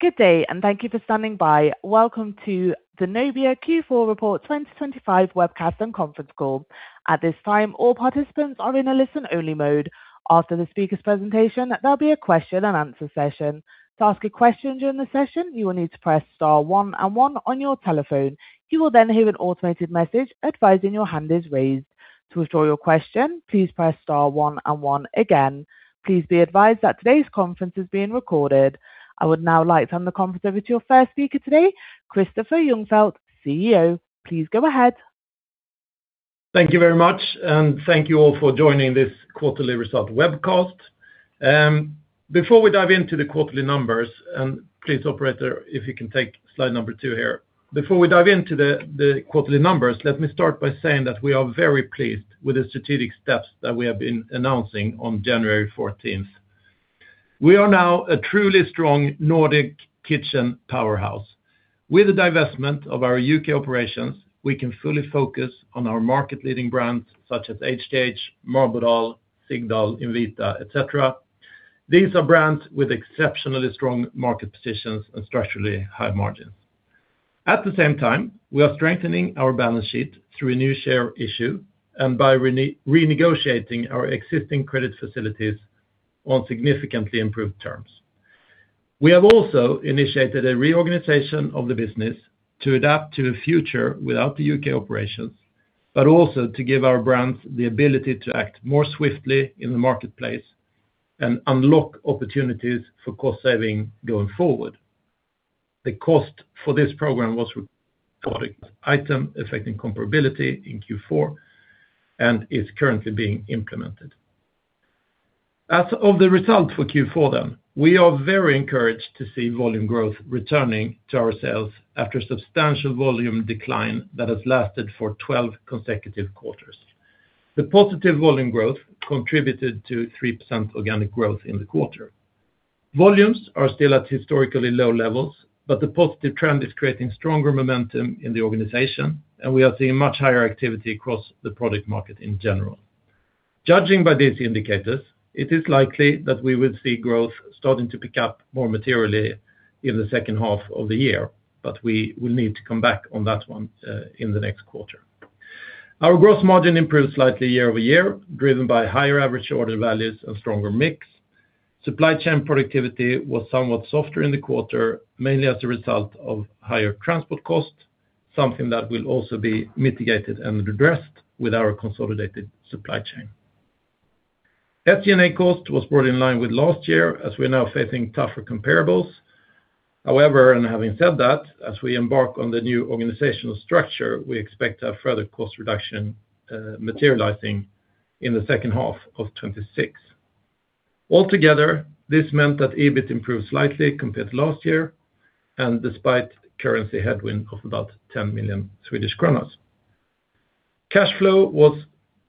Good day, and thank you for standing by. Welcome to the Nobia Q4 Report 2025 webcast and conference call. At this time, all participants are in a listen-only mode. After the speaker's presentation, there'll be a question and answer session. To ask a question during the session, you will need to press star one and one on your telephone. You will then hear an automated message advising your hand is raised. To withdraw your question, please press star one and one again. Please be advised that today's conference is being recorded. I would now like to hand the conference over to your first speaker today, Kristoffer Ljungfelt, CEO. Please go ahead. Thank you very much, and thank you all for joining this quarterly result webcast. Before we dive into the quarterly numbers, and please, operator, if you can take slide number 2 here. Before we dive into the quarterly numbers, let me start by saying that we are very pleased with the strategic steps that we have been announcing on January 14th. We are now a truly strong Nordic kitchen powerhouse. With the divestment of our U.K. operations, we can fully focus on our market-leading brands, such as HTH, Marbodal, Sigdal, Invita, et cetera. These are brands with exceptionally strong market positions and structurally high margins. At the same time, we are strengthening our balance sheet through a new share issue and by renegotiating our existing credit facilities on significantly improved terms. We have also initiated a reorganization of the business to adapt to a future without the UK operations, but also to give our brands the ability to act more swiftly in the marketplace and unlock opportunities for cost saving going forward. The cost for this program was reported item affecting comparability in Q4 and is currently being implemented. As of the result for Q4 then, we are very encouraged to see volume growth returning to our sales after a substantial volume decline that has lasted for 12 consecutive quarters. The positive volume growth contributed to 3% organic growth in the quarter. Volumes are still at historically low levels, but the positive trend is creating stronger momentum in the organization, and we are seeing much higher activity across the product market in general. Judging by these indicators, it is likely that we will see growth starting to pick up more materially in the second half of the year, but we will need to come back on that one, in the next quarter. Our gross margin improved slightly year-over-year, driven by higher average order values and stronger mix. Supply chain productivity was somewhat softer in the quarter, mainly as a result of higher transport costs, something that will also be mitigated and redressed with our consolidated supply chain. SG&A cost was more in line with last year, as we're now facing tougher comparables. However, and having said that, as we embark on the new organizational structure, we expect to have further cost reduction, materializing in the second half of 2026. Altogether, this meant that EBIT improved slightly compared to last year and despite currency headwind of about 10 million. Cash flow was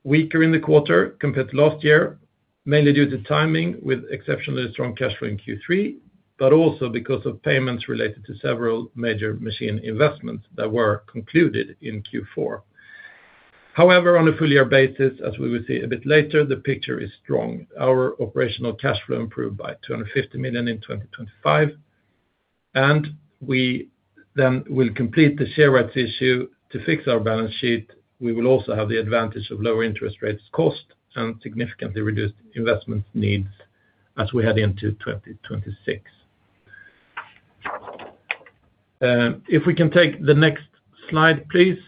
weaker in the quarter compared to last year, mainly due to timing with exceptionally strong cash flow in Q3, but also because of payments related to several major machine investments that were concluded in Q4. However, on a full year basis, as we will see a bit later, the picture is strong. Our operational cash flow improved by 250 million in 2025, and we then will complete the share rights issue. To fix our balance sheet, we will also have the advantage of lower interest rates cost and significantly reduced investment needs as we head into 2026. If we can take the next slide, please.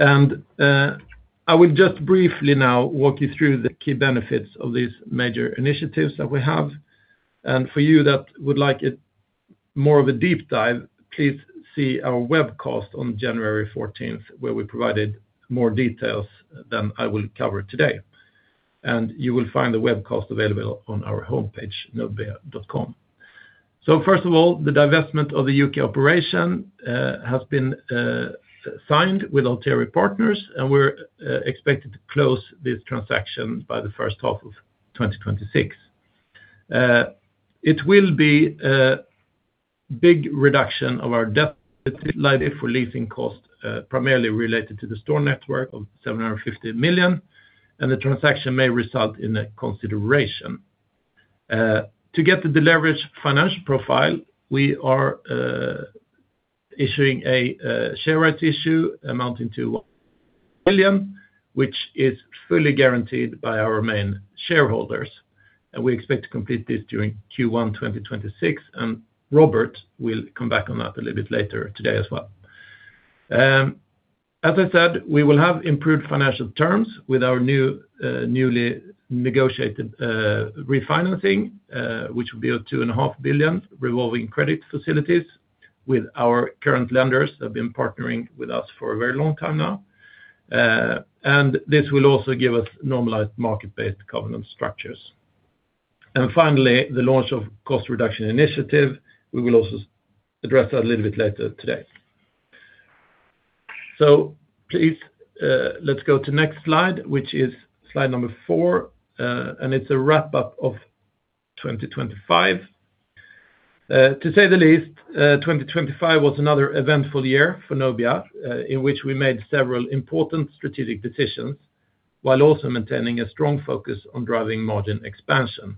I will just briefly now walk you through the key benefits of these major initiatives that we have. For you that would like it more of a deep dive, please see our webcast on January 14th, where we provided more details than I will cover today. You will find the webcast available on our homepage, nobia.com. So first of all, the divestment of the UK operation has been signed with Alteri Investors, and we're expected to close this transaction by the first half of 2026. It will be a big reduction of our debt, likely for leasing costs, primarily related to the store network of 750 million, and the transaction may result in a consideration. To get the leveraged financial profile, we are issuing a rights issue amounting to 1 billion, which is fully guaranteed by our main shareholders, and we expect to complete this during Q1 2026, and Robert will come back on that a little bit later today as well. As I said, we will have improved financial terms with our newly negotiated refinancing, which will be at 2.5 billion revolving credit facilities with our current lenders that have been partnering with us for a very long time now. This will also give us normalized market-based covenant structures. Finally, the launch of cost reduction initiative. We will also address that a little bit later today. So please, let's go to next slide, which is slide number 4, and it's a wrap-up of 2025. To say the least, 2025 was another eventful year for Nobia, in which we made several important strategic decisions, while also maintaining a strong focus on driving margin expansion.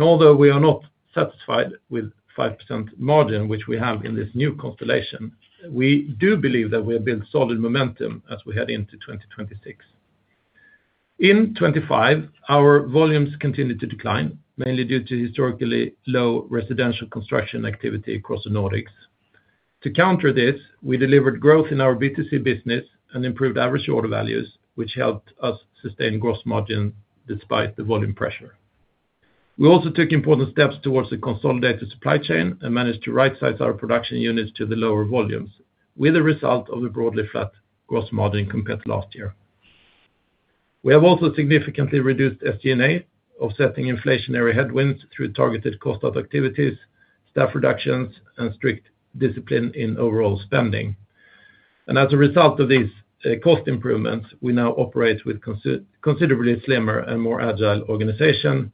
Although we are not satisfied with 5% margin, which we have in this new constellation, we do believe that we have built solid momentum as we head into 2026. In 2025, our volumes continued to decline, mainly due to historically low residential construction activity across the Nordics. To counter this, we delivered growth in our B2C business and improved average order values, which helped us sustain gross margin despite the volume pressure. We also took important steps towards the consolidated supply chain and managed to right-size our production units to the lower volumes, with a result of a broadly flat gross margin compared to last year. We have also significantly reduced SG&A, offsetting inflationary headwinds through targeted cost of activities, staff reductions, and strict discipline in overall spending. As a result of these cost improvements, we now operate with considerably slimmer and more agile organization,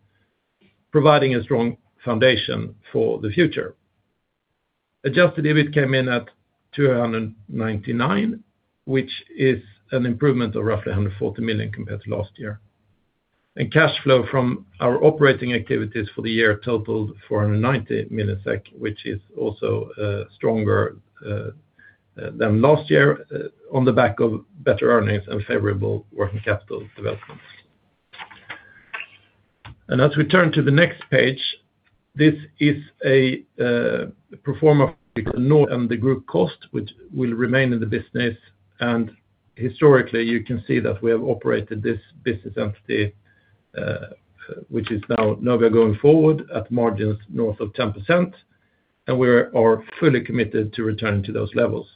providing a strong foundation for the future. Adjusted EBIT came in at 299 million, which is an improvement of roughly 140 million compared to last year. Cash flow from our operating activities for the year totaled 490 million SEK, which is also stronger than last year on the back of better earnings and favorable working capital developments. As we turn to the next page, this is a pro forma and the group cost, which will remain in the business. Historically, you can see that we have operated this business entity, which is now we are going forward at margins north of 10%, and we are fully committed to returning to those levels.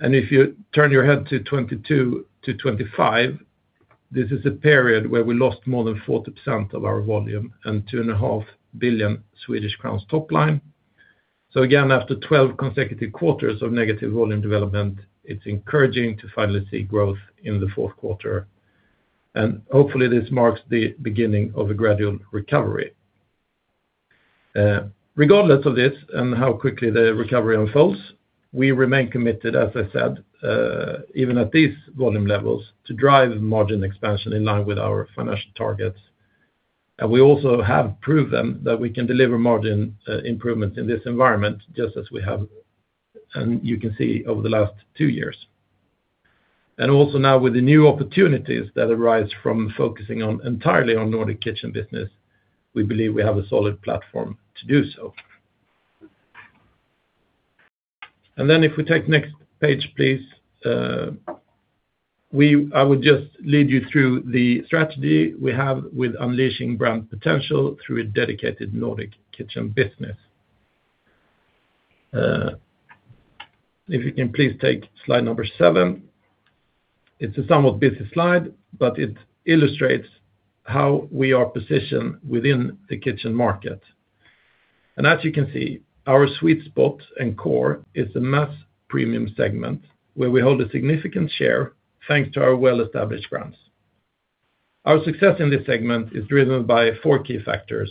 If you turn your head to 2022-2025, this is a period where we lost more than 40% of our volume and 2.5 billion Swedish crowns top line. Again, after 12 consecutive quarters of negative volume development, it's encouraging to finally see growth in the fourth quarter, and hopefully, this marks the beginning of a gradual recovery. Regardless of this and how quickly the recovery unfolds, we remain committed, as I said, even at these volume levels, to drive margin expansion in line with our financial targets. We also have proven that we can deliver margin improvements in this environment just as we have, and you can see over the last two years. Also now with the new opportunities that arise from focusing on entirely on Nordic kitchen business, we believe we have a solid platform to do so. Then if we take next page, please, I would just lead you through the strategy we have with unleashing brand potential through a dedicated Nordic kitchen business. If you can please take slide number seven. It's a somewhat busy slide, but it illustrates how we are positioned within the kitchen market. As you can see, our sweet spot and core is the mass premium segment, where we hold a significant share, thanks to our well-established brands. Our success in this segment is driven by four key factors: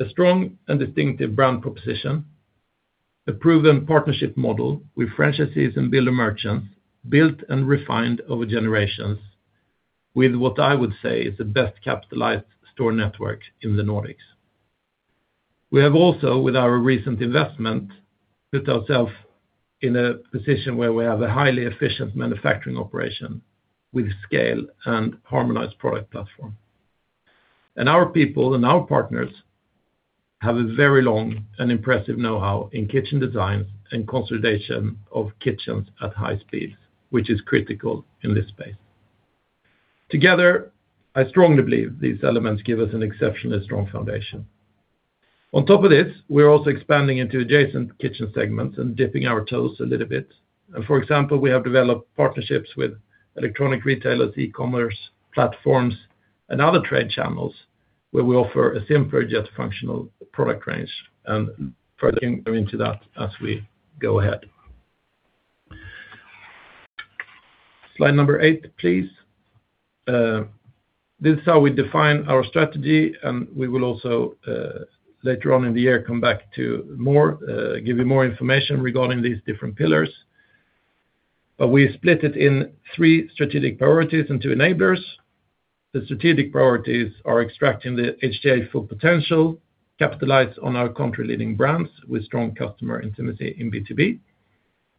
a strong and distinctive brand proposition, a proven partnership model with franchisees and builder merchants, built and refined over generations with what I would say is the best capitalized store network in the Nordics. We have also, with our recent investment, put ourselves in a position where we have a highly efficient manufacturing operation with scale and harmonized product platform. And our people and our partners have a very long and impressive know-how in kitchen design and consolidation of kitchens at high speeds, which is critical in this space. Together, I strongly believe these elements give us an exceptionally strong foundation. On top of this, we're also expanding into adjacent kitchen segments and dipping our toes a little bit. For example, we have developed partnerships with electronic retailers, e-commerce platforms, and other trade channels, where we offer a simpler, just functional product range, and further into that as we go ahead. Slide number 8, please. This is how we define our strategy, and we will also, later on in the year, come back to more, give you more information regarding these different pillars. But we split it in three strategic priorities and two enablers. The strategic priorities are extracting the HTH full potential, capitalize on our country leading brands with strong customer intimacy in B2B,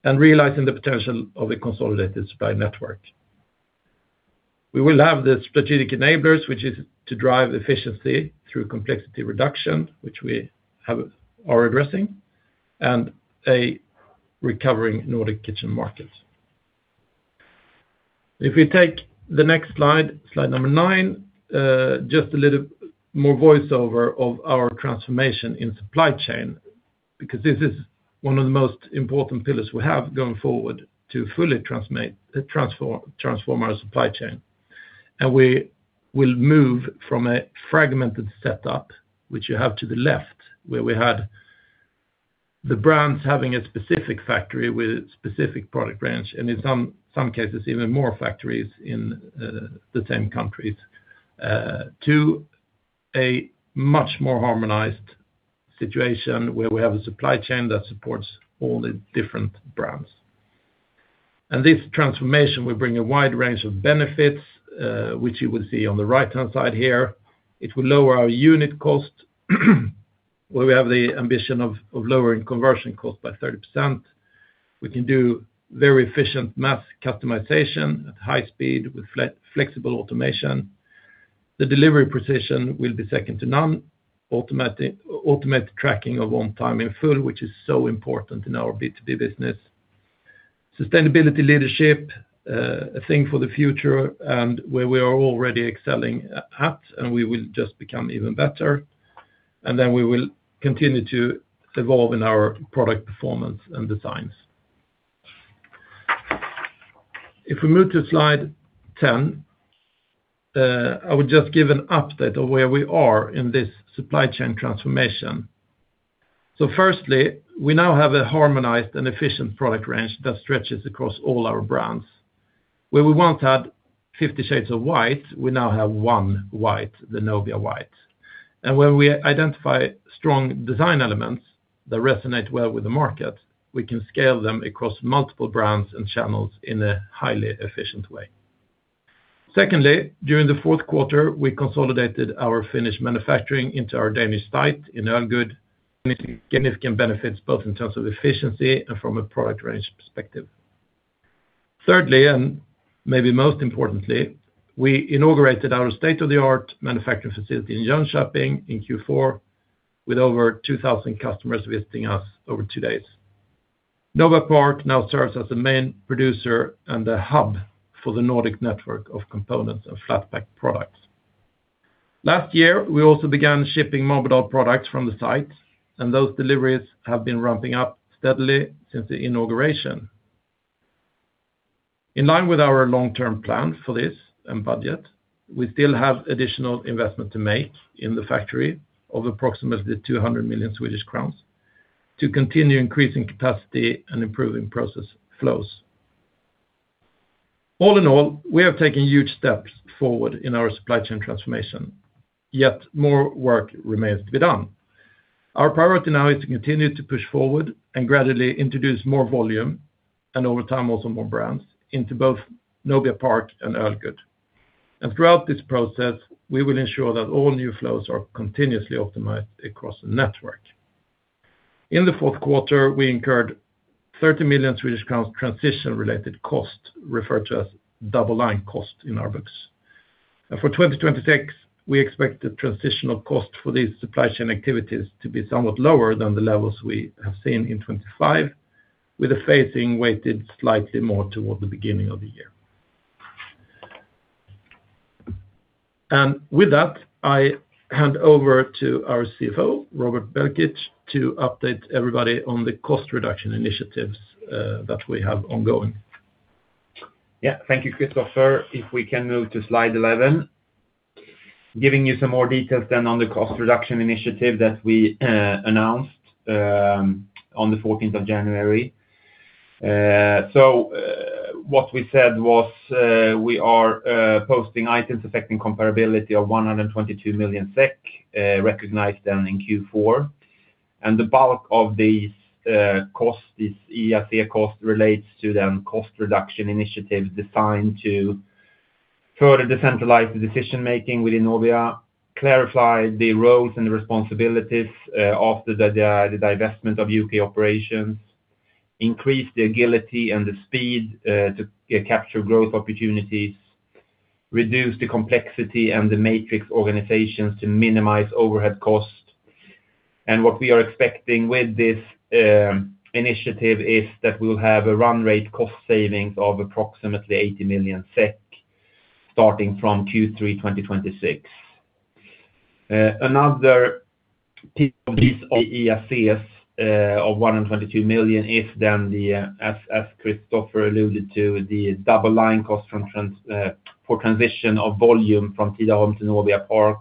and realizing the potential of a consolidated supply network. We will have the strategic enablers, which is to drive efficiency through complexity reduction, which we have, are addressing, and a recovering Nordic kitchen market. If we take the next slide, slide number 9, just a little more voiceover of our transformation in supply chain, because this is one of the most important pillars we have going forward to fully transform our supply chain. We will move from a fragmented setup, which you have to the left, where we had the brands having a specific factory with a specific product branch, and in some cases, even more factories in the same countries, to a much more harmonized situation where we have a supply chain that supports all the different brands. This transformation will bring a wide range of benefits, which you will see on the right-hand side here. It will lower our unit cost, where we have the ambition of lowering conversion cost by 30%. We can do very efficient mass customization at high speed with flexible automation. The delivery precision will be second to none, automatic ultimate tracking of on time in full, which is so important in our B2B business. Sustainability leadership, a thing for the future, and where we are already excelling at, and we will just become even better. And then we will continue to evolve in our product performance and designs. If we move to slide 10, I would just give an update of where we are in this supply chain transformation. So firstly, we now have a harmonized and efficient product range that stretches across all our brands. Where we once had fifty shades of white, we now have one white, the Nobia White. When we identify strong design elements that resonate well with the market, we can scale them across multiple brands and channels in a highly efficient way. Secondly, during the fourth quarter, we consolidated our Finnish manufacturing into our Danish site in Ølgod. Significant benefits, both in terms of efficiency and from a product range perspective. Thirdly, and maybe most importantly, we inaugurated our state-of-the-art manufacturing facility in Jönköping in Q4, with over 2,000 customers visiting us over 2 days. Nobia Park now serves as the main producer and a hub for the Nordic network of components and flat pack products. Last year, we also began shipping Marbodal products from the site, and those deliveries have been ramping up steadily since the inauguration. In line with our long-term plan for this and budget, we still have additional investment to make in the factory of approximately 200 million Swedish crowns to continue increasing capacity and improving process flows. All in all, we have taken huge steps forward in our supply chain transformation, yet more work remains to be done. Our priority now is to continue to push forward and gradually introduce more volume, and over time, also more brands, into both Nobia Park and Ølgod. And throughout this process, we will ensure that all new flows are continuously optimized across the network. In the fourth quarter, we incurred 30 million Swedish crowns transition-related costs, referred to as double-line costs in our books. For 2026, we expect the transitional cost for these supply chain activities to be somewhat lower than the levels we have seen in 2025, with a phasing weighted slightly more toward the beginning of the year. And with that, I hand over to our CFO, Robert Belkic, to update everybody on the cost reduction initiatives that we have ongoing. Yeah. Thank you, Kristoffer. If we can move to slide 11, giving you some more details then on the cost reduction initiative that we announced on the fourteenth of January. What we said was, we are posting items affecting comparability of 122 million SEK, recognized them in Q4. And the bulk of these costs, these EFCS costs, relates to the cost reduction initiatives designed to further decentralize the decision-making within Nobia, clarify the roles and responsibilities after the divestment of UK operations, increase the agility and the speed to capture growth opportunities, reduce the complexity and the matrix organizations to minimize overhead costs. And what we are expecting with this initiative is that we'll have a run rate cost savings of approximately 80 million SEK, starting from Q3 2026. Another piece of this, EFCS of 122 million is then the, as Kristoffer alluded to, the double-line cost for transition of volume from Tidaholm to Nobia Park,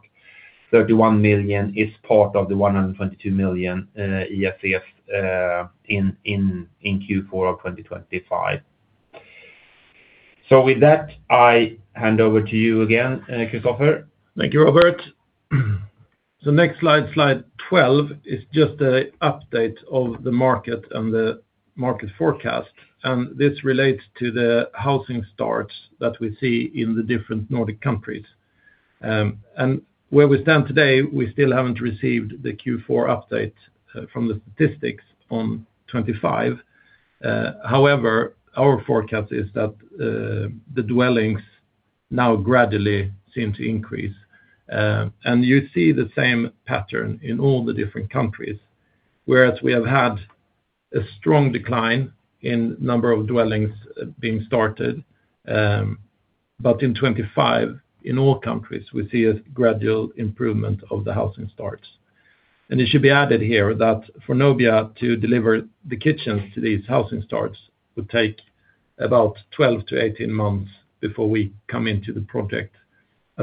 31 million is part of the 122 million, EFCS in Q4 of 2025. So with that, I hand over to you again, Kristoffer. Thank you, Robert. Next slide, slide 12, is just an update of the market and the market forecast, and this relates to the housing starts that we see in the different Nordic countries. Where we stand today, we still haven't received the Q4 update from the statistics on 2025. However, our forecast is that the dwellings now gradually seem to increase. You see the same pattern in all the different countries, whereas we have had a strong decline in number of dwellings being started, but in 2025, in all countries, we see a gradual improvement of the housing starts. It should be added here that for Nobia to deliver the kitchens to these housing starts, would take about 12-18 months before we come into the project, as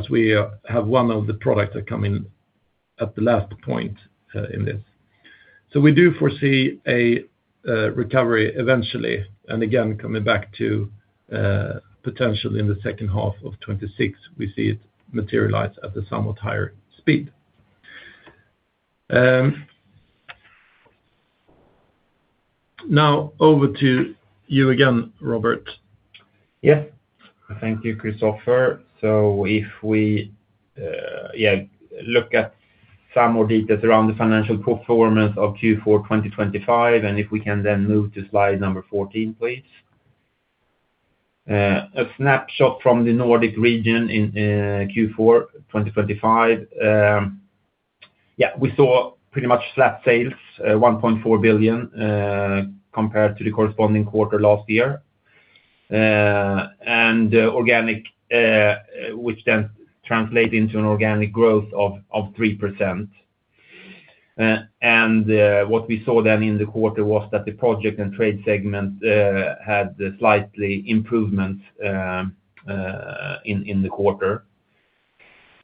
we have one of the products that come in at the last point in this. So we do foresee a recovery eventually, and again, coming back to potentially in the second half of 2026, we see it materialize at a somewhat higher speed. Now over to you again, Robert. Yes. Thank you, Kristoffer. So if we look at some more details around the financial performance of Q4 2025, and if we can then move to slide number 14, please. A snapshot from the Nordic region in Q4 2025. We saw pretty much flat sales, 1.4 billion, compared to the corresponding quarter last year. And organic, which then translate into an organic growth of 3%. And what we saw then in the quarter was that the project and trade segment had slightly improvement in the quarter.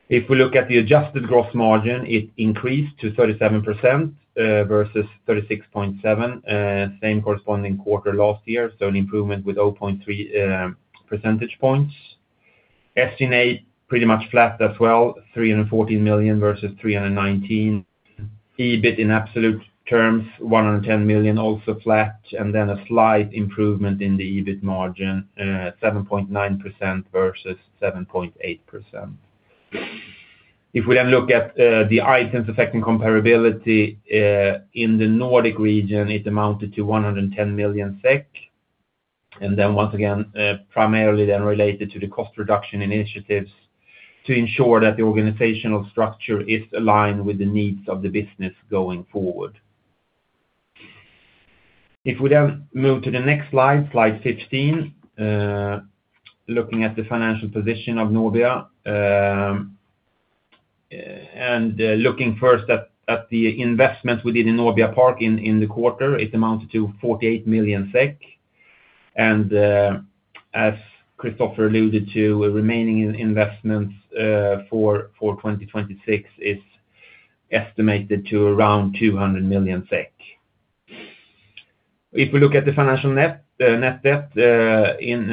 If we look at the adjusted gross margin, it increased to 37% versus 36.7 same corresponding quarter last year, so an improvement with 0.3 percentage points. sales, pretty much flat as well, 314 million versus 319 million. EBIT in absolute terms, 110 million, also flat, and then a slight improvement in the EBIT margin, 7.9% versus 7.8%. If we then look at the items affecting comparability in the Nordic region, it amounted to 110 million SEK. And then once again, primarily then related to the cost reduction initiatives to ensure that the organizational structure is aligned with the needs of the business going forward. If we then move to the next slide, slide 15, looking at the financial position of Nobia. And looking first at the investment we did in Nobia Park in the quarter, it amounts to 48 million SEK. And, as Kristoffer alluded to, remaining in investments for 2026 is estimated to around 200 million SEK. If we look at the financial net debt in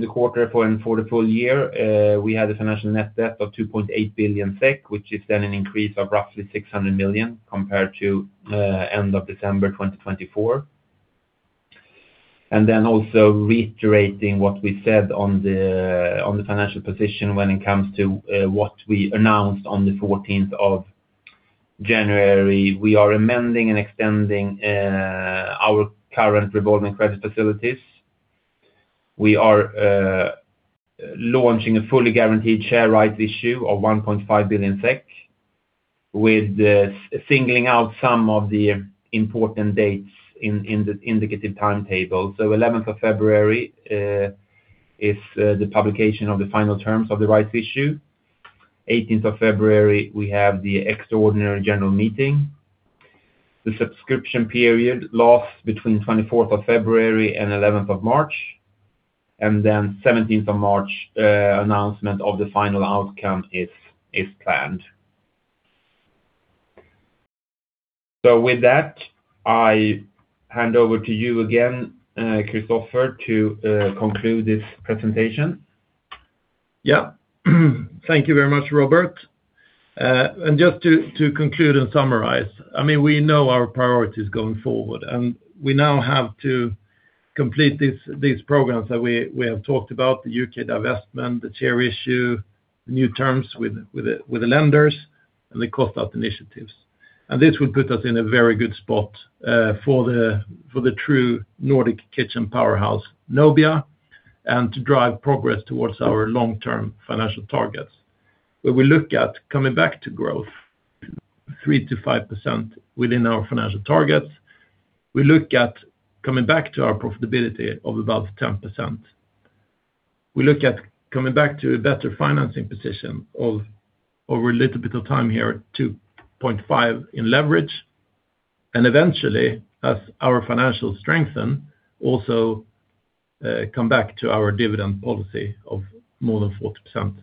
the quarter and for the full year, we had a financial net debt of 2.8 billion SEK, which is then an increase of roughly 600 million compared to end of December 2024. And then also reiterating what we said on the financial position when it comes to what we announced on the fourteenth of January, we are amending and extending our current revolving credit facilities. We are launching a fully guaranteed share rights issue of 1.5 billion SEK, with singling out some of the important dates in the indicative timetable. So 11th of February is the publication of the final terms of the rights issue. 18th of February, we have the extraordinary general meeting. The subscription period lasts between twenty-fourth of February and eleventh of March, and then 17th of March, announcement of the final outcome is planned. So with that, I hand over to you again, Kristoffer, to conclude this presentation. Yeah. Thank you very much, Robert. And just to conclude and summarize, I mean, we know our priorities going forward, and we now have to complete these programs that we have talked about, the U.K. divestment, the share issue, the new terms with the lenders, and the cost out initiatives. And this will put us in a very good spot for the true Nordic Kitchen powerhouse, Nobia, and to drive progress towards our long-term financial targets. Where we look at coming back to growth, 3%-5% within our financial targets. We look at coming back to our profitability of about 10%. We look at coming back to a better financing position of, over a little bit of time here, 2.5 in leverage, and eventually, as our financials strengthen, also, come back to our dividend policy of more than 40%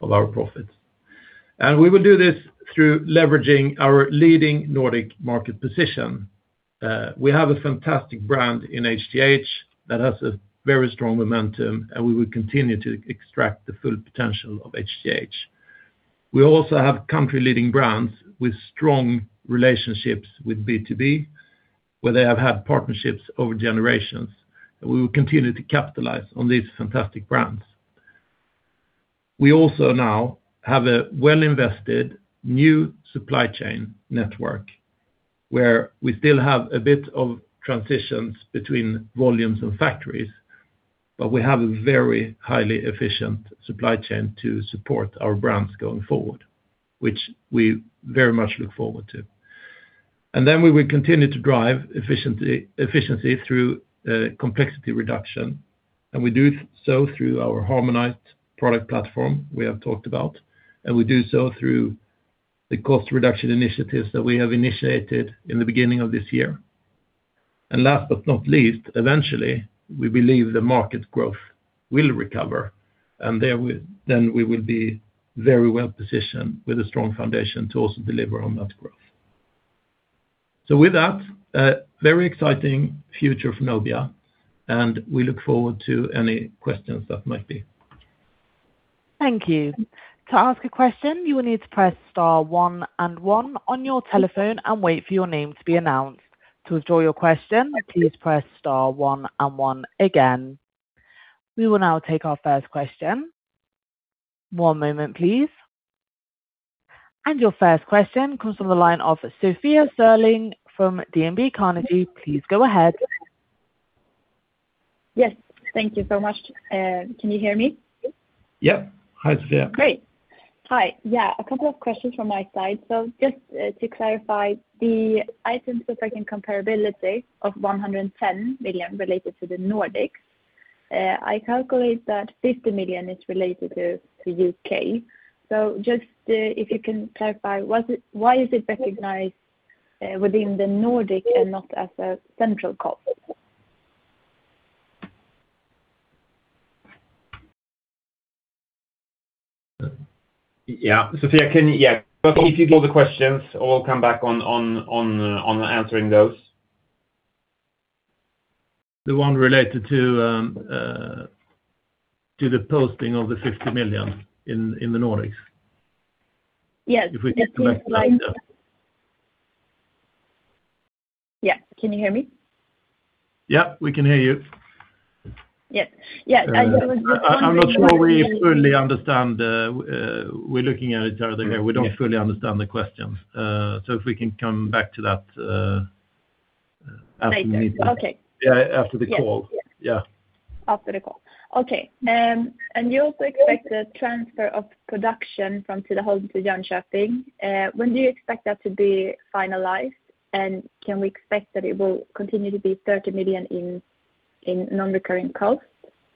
of our profits. We will do this through leveraging our leading Nordic market position. We have a fantastic brand in HTH that has a very strong momentum, and we will continue to extract the full potential of HTH. We also have country leading brands with strong relationships with B2B, where they have had partnerships over generations, and we will continue to capitalize on these fantastic brands. We also now have a well-invested new supply chain network, where we still have a bit of transitions between volumes and factories, but we have a very highly efficient supply chain to support our brands going forward, which we very much look forward to. And then we will continue to drive efficiency, efficiency through, complexity reduction, and we do so through our harmonized product platform we have talked about, and we do so through the cost reduction initiatives that we have initiated in the beginning of this year. And last but not least, eventually, we believe the market growth will recover, and then we, then we will be very well positioned with a strong foundation to also deliver on that growth. So with that, a very exciting future for Nobia, and we look forward to any questions that might be. Thank you. To ask a question, you will need to press star one and one on your telephone and wait for your name to be announced. To withdraw your question, please press star one and one again. We will now take our first question. One moment, please. Your first question comes from the line of Sofia Sörling from DNB Markets. Please go ahead. Yes, thank you so much. Can you hear me? Yep. Hi, Sofia. Great. Hi. Yeah, a couple of questions from my side. So just to clarify, the items affecting comparability of 110 million related to the Nordics. I calculate that 50 million is related to UK. So just, if you can clarify, why is it recognized within the Nordic and not as a central cost? Yeah, Sofia, can you? Yeah, but if you go to the questions, I will come back on answering those. The one related to the posting of 50 million in the Nordics. Yes. If we can come back to that. Yeah. Can you hear me? Yeah, we can hear you. Yes. Yeah, I'm not sure we fully understand. We're looking at it here. We don't fully understand the question. So if we can come back to that after the meeting. Later. Okay. Yeah, after the call. Yes. Yeah. After the call. Okay. And you also expect a transfer of production from Tidaholm to Jönköping. When do you expect that to be finalized? And can we expect that it will continue to be 30 million in non-recurring costs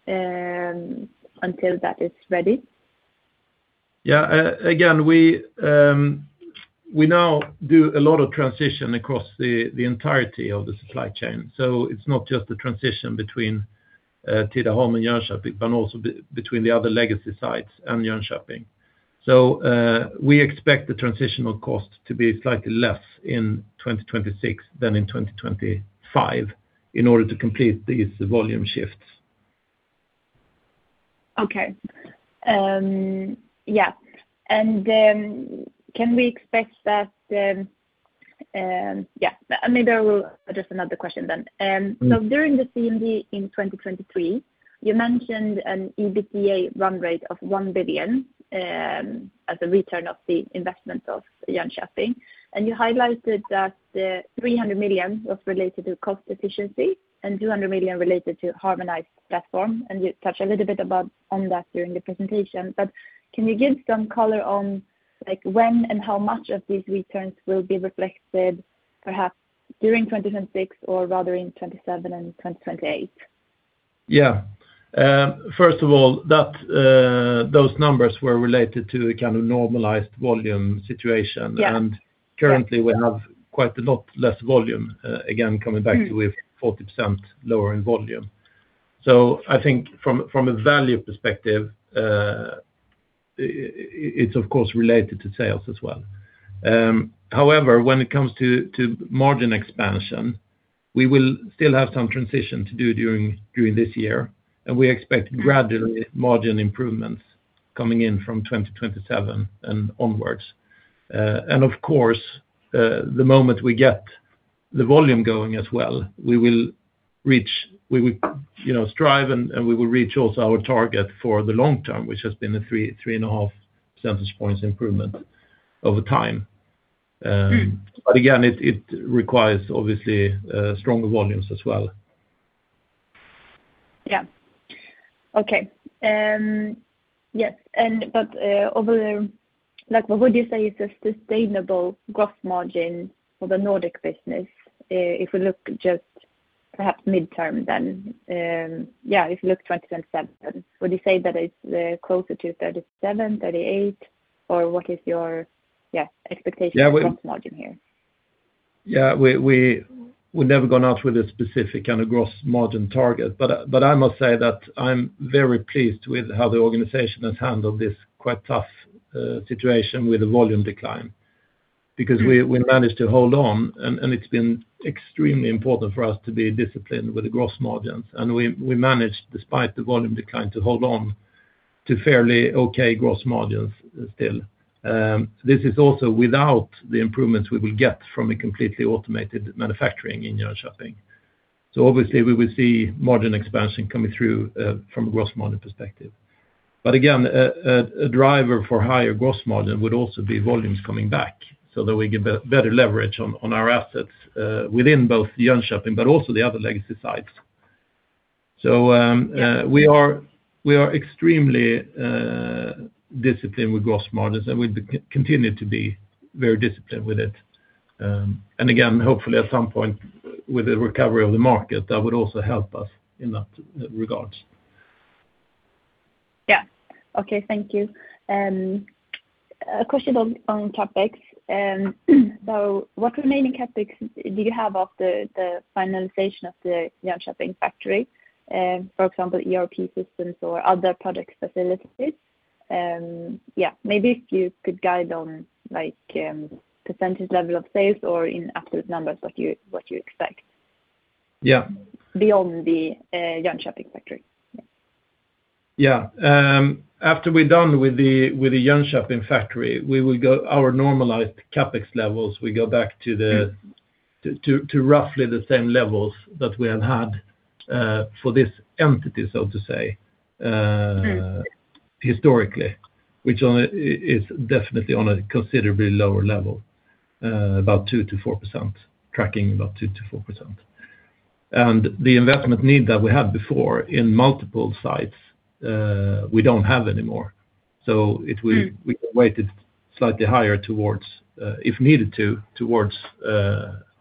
until that is ready? Yeah. Again, we now do a lot of transition across the entirety of the supply chain. So it's not just the transition between Tidaholm and Jönköping, but also between the other legacy sites and Jönköping. So, we expect the transitional cost to be slightly less in 2026 than in 2025 in order to complete these volume shifts. Okay. Yeah. Can we expect that? Just another question then. So during the CMD in 2023, you mentioned an EBITA run rate of 1 billion as a return of the investment of Jönköping. And you highlighted that the 300 million was related to cost efficiency and 200 million related to harmonized platform, and you touched a little bit about on that during the presentation. But can you give some color on, like, when and how much of these returns will be reflected, perhaps during 2026 or rather in 2027 and 2028? Yeah. First of all, that, those numbers were related to a kind of normalized volume situation. Yeah. Currently, we have quite a lot less volume, again, coming back to with 40% lower in volume. So I think from a value perspective, it it's of course, related to sales as well. However, when it comes to margin expansion, we will still have some transition to do during this year, and we expect gradually margin improvements coming in from 2027 and onwards. And of course, the moment we get the volume going as well, we will reach we will, you know, strive and we will reach also our target for the long term, which has been a 3-3.5 percentage points improvement over time. Mm. But again, it requires, obviously, stronger volumes as well. Yeah. Okay. Yes, but, over the, like, what would you say is a sustainable gross margin for the Nordic business? If we look just perhaps midterm, then, yeah, if you look 2027, would you say that it's closer to 37, 38, or what is your, yeah, expectation- Yeah, we- -Gross Margin here? Yeah, we've never gone out with a specific kind of gross margin target, but I must say that I'm very pleased with how the organization has handled this quite tough situation with a volume decline. Because we managed to hold on, and it's been extremely important for us to be disciplined with the gross margins. And we managed, despite the volume decline, to hold on to fairly okay gross margins still. This is also without the improvements we will get from a completely automated manufacturing in Jönköping. So obviously, we will see margin expansion coming through from a gross margin perspective. But again, a driver for higher gross margin would also be volumes coming back, so that we get better leverage on our assets within both Jönköping but also the other legacy sites. So, we are extremely disciplined with gross margins, and we continue to be very disciplined with it. And again, hopefully, at some point with the recovery of the market, that would also help us in that regards. Yeah. Okay, thank you. A question on CapEx. So what remaining CapEx do you have after the finalization of the Jönköping factory? For example, ERP systems or other product facilities. Yeah, maybe if you could guide on, like, percentage level of sales or in absolute numbers, what you expect? Yeah. Beyond the Jönköping factory. Yeah. After we're done with the Jönköping factory, we will go our normalized CapEx levels, we go back to roughly the same levels that we have had for this entity, so to say. Mm. historically, which on a is definitely on a considerably lower level, about 2%-4%, tracking about 2%-4%. And the investment need that we had before in multiple sites, we don't have anymore. So it we- Mm. We can weight it slightly higher towards, if needed to, towards,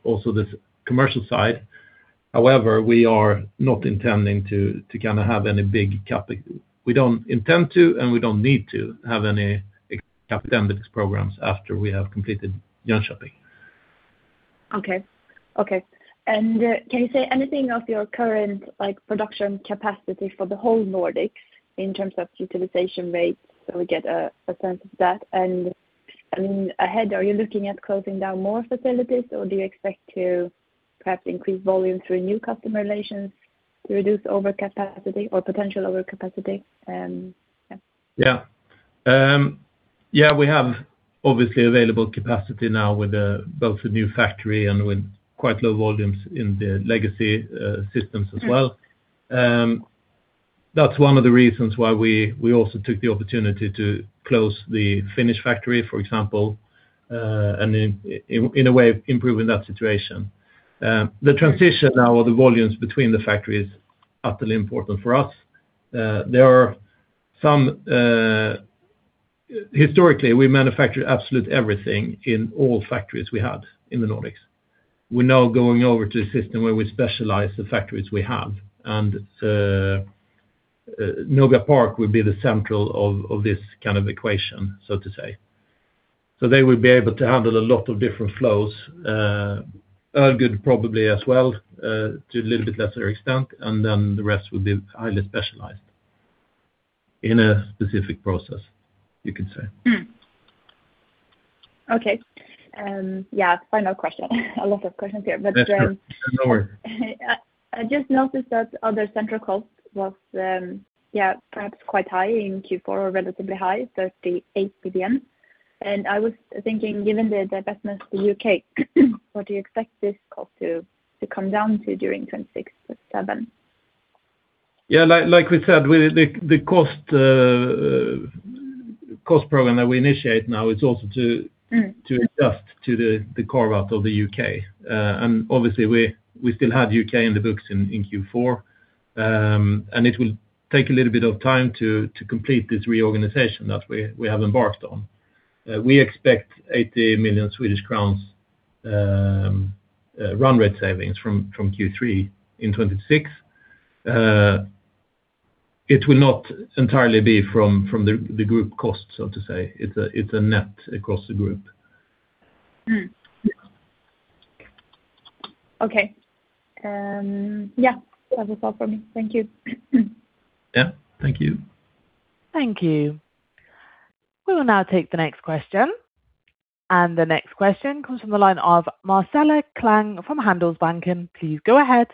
also this commercial side. However, we are not intending to kind of have any big CapEx. We don't intend to, and we don't need to have any big CapEx programs after we have completed Jönköping. Okay. Okay, and, can you say anything of your current, like, production capacity for the whole Nordics in terms of utilization rates, so we get a sense of that? And ahead, are you looking at closing down more facilities, or do you expect to perhaps increase volume through new customer relations to reduce overcapacity or potential overcapacity, yeah? Yeah. Yeah, we have obviously available capacity now with both the new factory and with quite low volumes in the legacy systems as well. That's one of the reasons why we also took the opportunity to close the Finnish factory, for example, and in a way, improving that situation. The transition now or the volumes between the factories is utterly important for us. There are some... Historically, we manufactured absolute everything in all factories we had in the Nordics. We're now going over to a system where we specialize the factories we have, and Nobia Park will be the central of this kind of equation, so to say. So they will be able to handle a lot of different flows, Ølgod probably as well, to a little bit lesser extent, and then the rest will be highly specialized in a specific process, you can say. Okay. Yeah, final question. A lot of questions here, but- Yeah, sure. No worry. I just noticed that other central cost was, yeah, perhaps quite high in Q4 or relatively high, 38%. And I was thinking, given the divestment in the UK, what do you expect this cost to come down to during 2026, 2027? Yeah, like we said, the cost program that we initiate now is also to- Mm... to adjust to the carve-out of the U.K. And obviously, we still have UK in the books in Q4. And it will take a little bit of time to complete this reorganization that we have embarked on. We expect 80 million Swedish crowns run rate savings from Q3 in 2026. It will not entirely be from the group cost, so to say. It's a net across the group. Yeah. Okay. Yeah, that's all from me. Thank you. Yeah, thank you. Thank you. We will now take the next question, and the next question comes from the line of Marcela Klang from Handelsbanken. Please go ahead.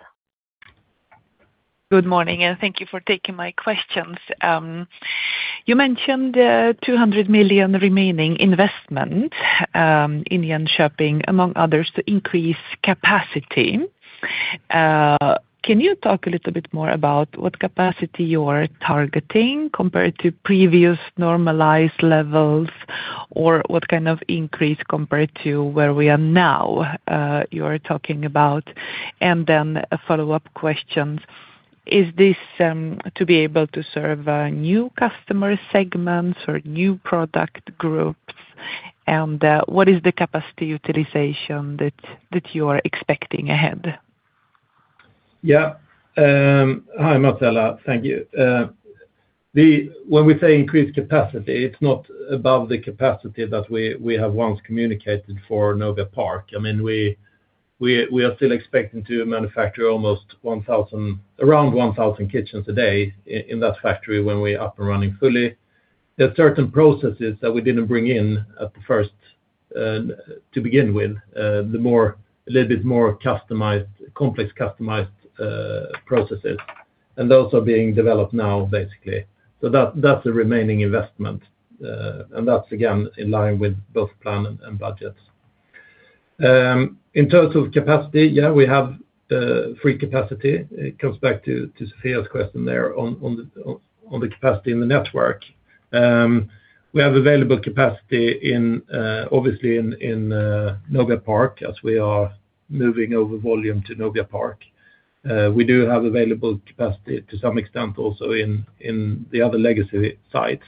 Good morning, and thank you for taking my questions. You mentioned 200 million remaining investment in Jönköping, among others, to increase capacity. Can you talk a little bit more about what capacity you are targeting compared to previous normalized levels, or what kind of increase compared to where we are now you are talking about? And then a follow-up question, is this to be able to serve new customer segments or new product groups? And what is the capacity utilization that you are expecting ahead? Yeah. Hi, Marcela. Thank you. When we say increased capacity, it's not above the capacity that we have once communicated for Nobia Park. I mean, we are still expecting to manufacture almost 1,000, around 1,000 kitchens a day in that factory when we're up and running fully. There are certain processes that we didn't bring in at first to begin with, the more, a little bit more customized, complex customized processes, and those are being developed now, basically. So that's the remaining investment, and that's again, in line with both plan and budgets. In terms of capacity, yeah, we have free capacity. It comes back to Sofia's question there on the capacity in the network. We have available capacity in, obviously in, Nobia Park, as we are moving over volume to Nobia Park. We do have available capacity to some extent also in the other legacy sites.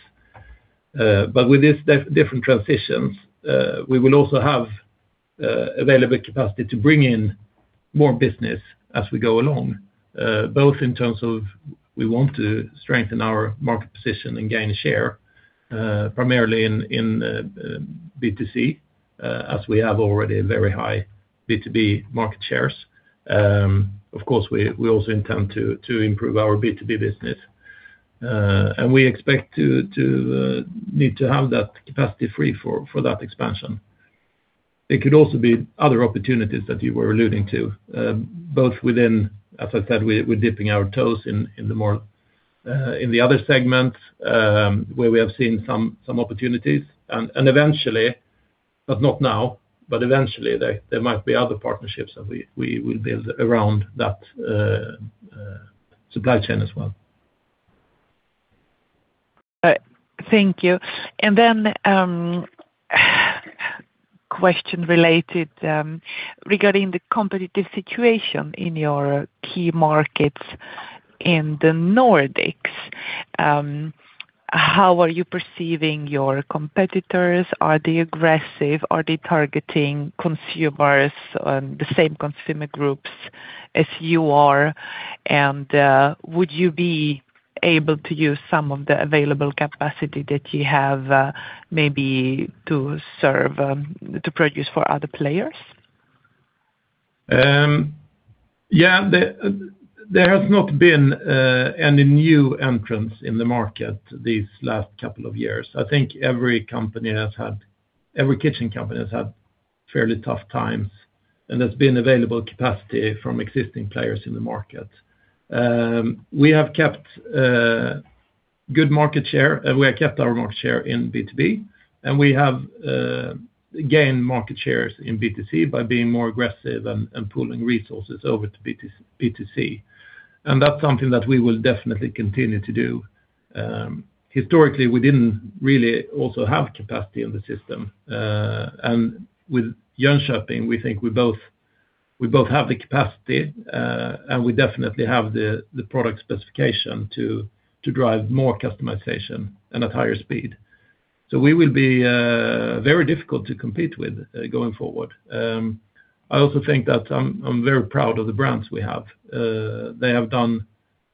But with this different transitions, we will also have available capacity to bring in more business as we go along. Both in terms of we want to strengthen our market position and gain share, primarily in B2C, as we have already a very high B2B market shares. Of course, we also intend to improve our B2B business. And we expect to need to have that capacity free for that expansion. It could also be other opportunities that you were alluding to, both within—as I said, we're dipping our toes in the more, in the other segments, where we have seen some opportunities. And eventually, but not now, but eventually, there might be other partnerships that we will build around that supply chain as well. Thank you. And then, question related regarding the competitive situation in your key markets in the Nordics. How are you perceiving your competitors? Are they aggressive? Are they targeting consumers on the same consumer groups as you are? And, would you be able to use some of the available capacity that you have, maybe to serve, to produce for other players? Yeah, there has not been any new entrants in the market these last couple of years. I think every kitchen company has had fairly tough times, and there's been available capacity from existing players in the market. We have kept good market share, we have kept our market share in B2B, and we have gained market shares in B2C by being more aggressive and pulling resources over to B2C, B2C. And that's something that we will definitely continue to do. Historically, we didn't really also have capacity in the system. And with Jönköping, we think we both have the capacity, and we definitely have the product specification to drive more customization and at higher speed. So we will be very difficult to compete with going forward. I also think that I'm very proud of the brands we have. They have done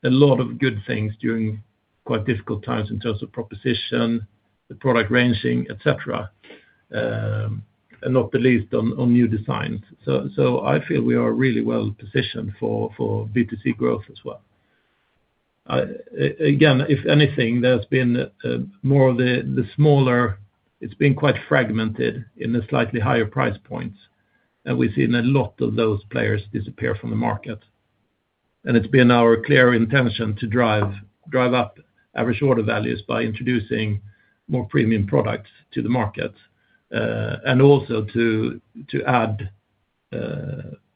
a lot of good things during quite difficult times in terms of proposition, the product ranging, et cetera, and not the least on new designs. So I feel we are really well positioned for B2C growth as well. Again, if anything, there's been more of the smaller. It's been quite fragmented in the slightly higher price points, and we've seen a lot of those players disappear from the market. And it's been our clear intention to drive up average order values by introducing more premium products to the market, and also to add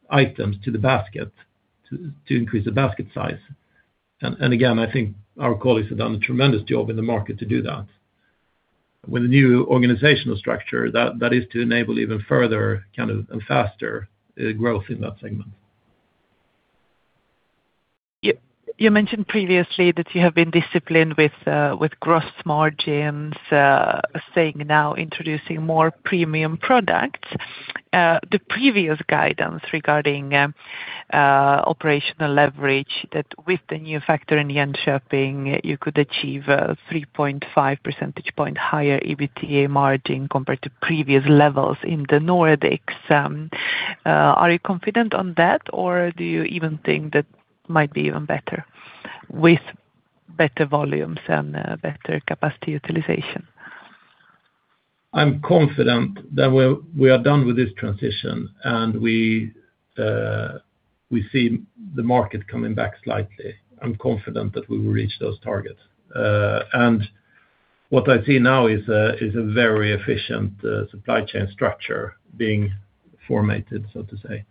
items to the basket, to increase the basket size. And again, I think our colleagues have done a tremendous job in the market to do that. With the new organizational structure, that is to enable even further kind of, and faster, growth in that segment. You mentioned previously that you have been disciplined with gross margins, saying now introducing more premium products. The previous guidance regarding operational leverage, that with the new factory in Jönköping, you could achieve a 3.5 percentage point higher EBITA margin compared to previous levels in the Nordics. Are you confident on that, or do you even think that might be even better with better volumes and better capacity utilization? I'm confident that we are done with this transition, and we see the market coming back slightly. I'm confident that we will reach those targets. And what I see now is a very efficient supply chain structure being formatted, so to say.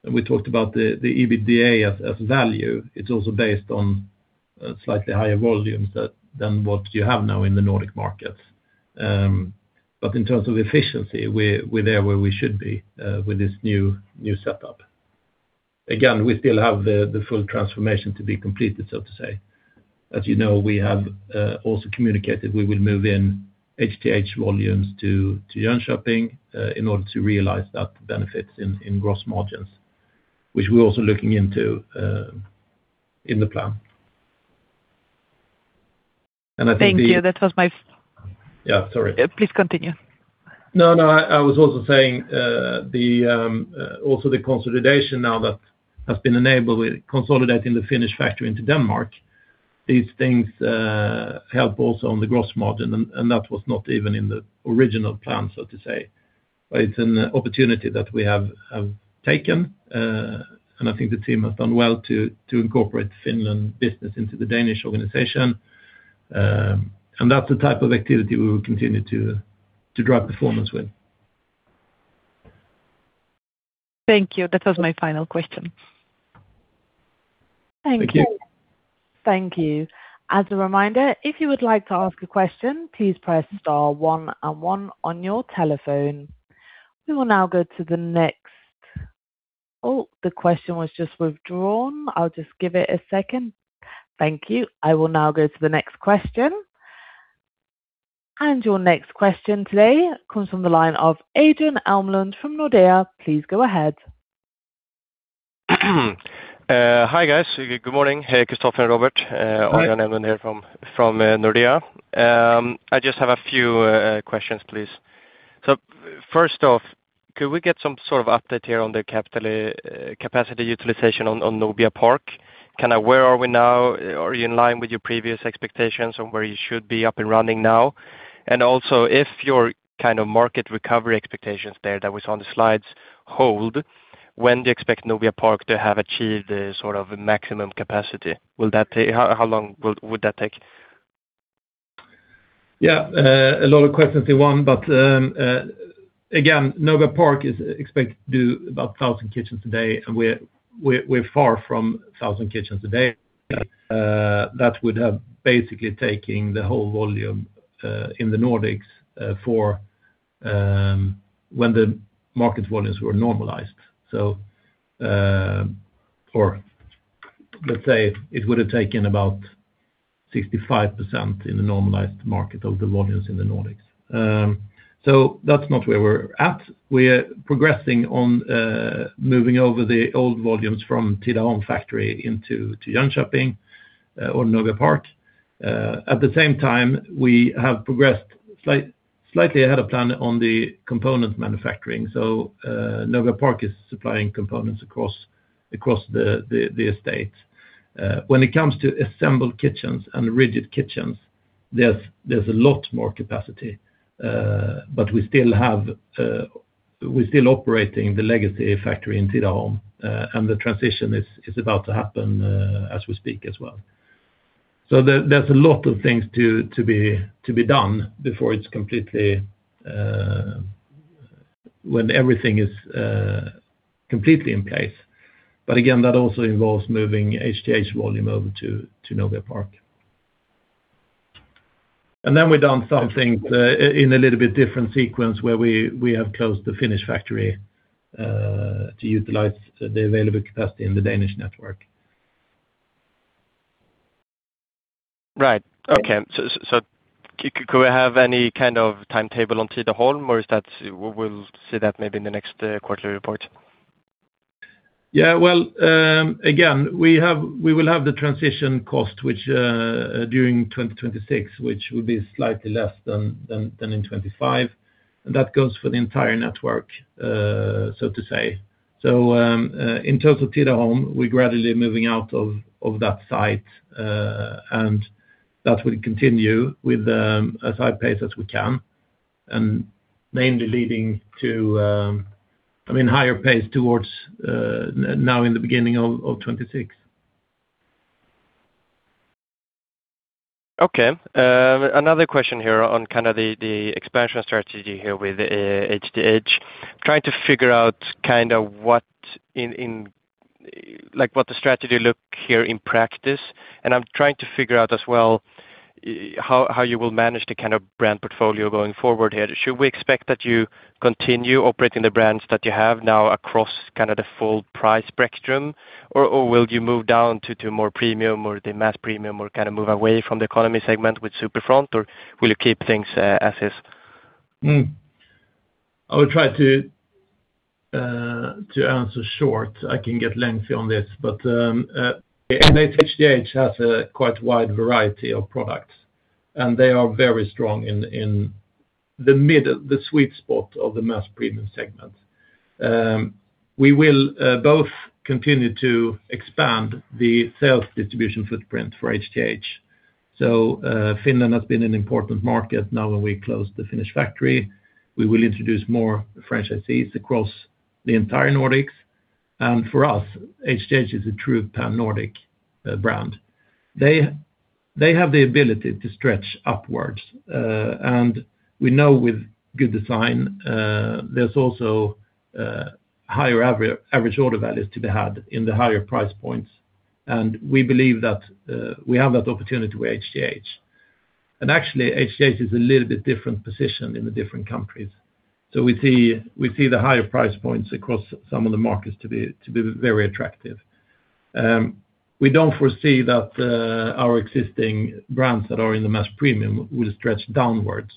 Of course, again, we talked about the EBITDA as value. It's also based on slightly higher volumes than what you have now in the Nordic markets. But in terms of efficiency, we're there where we should be with this new setup. Again, we still have the full transformation to be completed, so to say. As you know, we have also communicated we will move in HTH volumes to Jönköping in order to realize that benefit in gross margins, which we're also looking into in the plan. And I think the- Thank you. That was my- Yeah, sorry. Please continue. No, no, I was also saying the consolidation now that has been enabled with consolidating the Finnish factory into Denmark. These things help also on the gross margin, and that was not even in the original plan, so to say. But it's an opportunity that we have taken, and I think the team has done well to incorporate Finland business into the Danish organization. And that's the type of activity we will continue to drive performance with. Thank you. That was my final question. Thank you. Thank you. Thank you. As a reminder, if you would like to ask a question, please press star one and one on your telephone. We will now go to the next... Oh, the question was just withdrawn. I'll just give it a second. Thank you. I will now go to the next question. Your next question today comes from the line of Adrian Elmlund from Nordea. Please go ahead. Hi, guys. Good morning. Hey, Kristoffer and Robert. Adrian Elmlund here from Nordea. I just have a few questions, please. So first off, could we get some sort of update here on the capacity utilization on Nobia Park? Kinda where are we now? Are you in line with your previous expectations on where you should be up and running now? And also, if your kind of market recovery expectations there, that was on the slides hold, when do you expect Nobia Park to have achieved the sort of maximum capacity? Will that take? How long would that take? Yeah, a lot of questions in one, but, again, Nobia Park is expected to do about 1,000 kitchens a day, and we're far from 1,000 kitchens a day. That would have basically taking the whole volume in the Nordics for when the market volumes were normalized. So, or let's say it would have taken about 65% in the normalized market of the volumes in the Nordics. So that's not where we're at. We're progressing on moving over the old volumes from Tidaholm factory into Jönköping, or Nobia Park. At the same time, we have progressed slightly ahead of plan on the component manufacturing. So, Nobia Park is supplying components across the estate. When it comes to assembled kitchens and rigid kitchens, there's a lot more capacity, but we're still operating the legacy factory in Tidaholm, and the transition is about to happen, as we speak as well. So there's a lot of things to be done before it's completely when everything is completely in place. But again, that also involves moving HTH volume over to Nobia Park. And then we've done some things in a little bit different sequence, where we have closed the Finnish factory to utilize the available capacity in the Danish network. Right. Okay. So, could we have any kind of timetable on Tidaholm, or is that we'll see that maybe in the next quarterly report? Yeah, well, again, we have -- we will have the transition cost, which, during 2026, which will be slightly less than in 2025, and that goes for the entire network, so to say. So, in terms of Tidaholm, we're gradually moving out of that site, and that will continue with as high pace as we can, and mainly leading to, I mean, higher pace towards now in the beginning of 2026. Okay. Another question here on kind of the expansion strategy here with HTH. Trying to figure out kind of what, like, what the strategy looks like here in practice. And I'm trying to figure out as well, how you will manage the kind of brand portfolio going forward here. Should we expect that you continue operating the brands that you have now across kind of the full price spectrum? Or will you move down to more premium or the mass premium, or kind of move away from the economy segment with Superfront, or will you keep things as is? I will try to answer short. I can get lengthy on this, but, HTH has a quite wide variety of products, and they are very strong in the sweet spot of the mass premium segment. We will both continue to expand the sales distribution footprint for HTH. So, Finland has been an important market. Now, when we closed the Finnish factory, we will introduce more franchisees across the entire Nordics. And for us, HTH is a true Pan-Nordic brand. They have the ability to stretch upwards, and we know with good design, there's also higher average order values to be had in the higher price points, and we believe that we have that opportunity with HTH. And actually, HTH is a little bit different position in the different countries. So we see, we see the higher price points across some of the markets to be, to be very attractive. We don't foresee that our existing brands that are in the mass premium will stretch downwards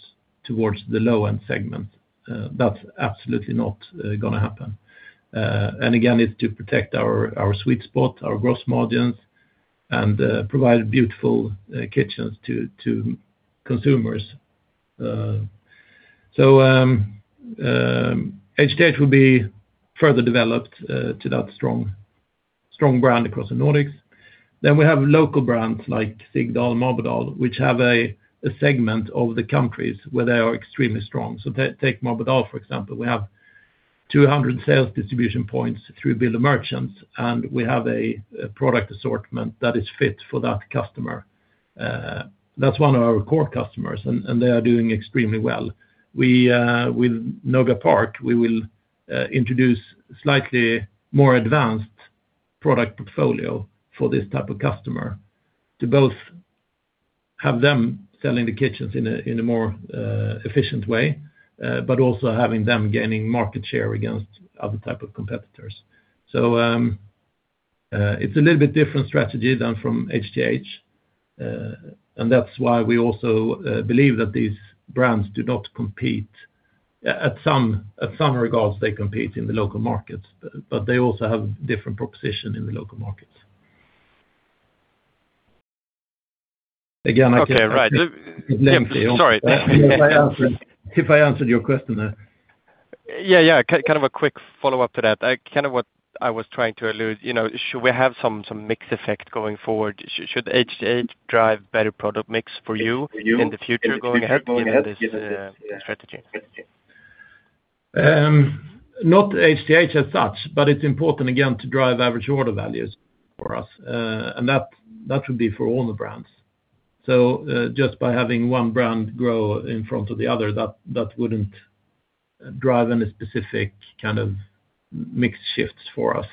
towards the low-end segment. That's absolutely not gonna happen. And again, it's to protect our, our sweet spot, our gross margins, and provide beautiful kitchens to consumers. So HTH will be further developed to that strong, strong brand across the Nordics. Then we have local brands like Sigdal and Marbodal, which have a segment of the countries where they are extremely strong. So take Marbodal, for example. We have 200 sales distribution points through builder merchants, and we have a product assortment that is fit for that customer. That's one of our core customers, and, and they are doing extremely well. We, with Nobia Park, we will, introduce slightly more advanced product portfolio for this type of customer to both-... have them selling the kitchens in a, in a more, efficient way, but also having them gaining market share against other type of competitors. So, it's a little bit different strategy than from HTH. And that's why we also, believe that these brands do not compete. At some, at some regards, they compete in the local markets, but, but they also have different proposition in the local markets. Again, I- Okay. Right. Sorry. Hope I answered, hope I answered your question there. Yeah, yeah. Kind of a quick follow-up to that. I kind of what I was trying to allude, you know, should we have some, some mixed effect going forward? Should HTH drive better product mix for you in the future going ahead, given this strategy? Not HTH as such, but it's important again, to drive average order values for us. And that, that would be for all the brands. So, just by having one brand grow in front of the other, that, that wouldn't drive any specific kind of mix shifts for us.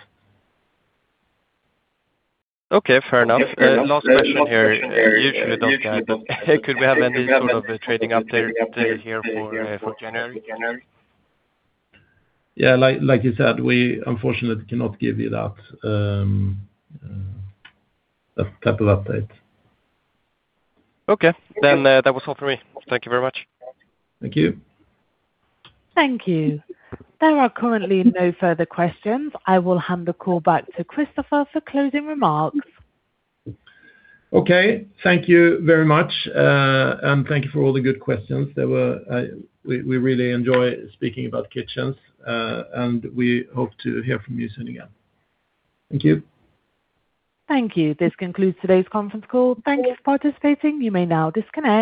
Okay, fair enough. Last question here. Usually don't ask, could we have any sort of a trading update here for January? Yeah, like, like you said, we unfortunately cannot give you that, that type of update. Okay. Then, that was all for me. Thank you very much. Thank you. Thank you. There are currently no further questions. I will hand the call back to Kristoffer for closing remarks. Okay. Thank you very much. And thank you for all the good questions. There were... We really enjoy speaking about kitchens, and we hope to hear from you soon again. Thank you. Thank you. This concludes today's conference call. Thank you for participating. You may now disconnect.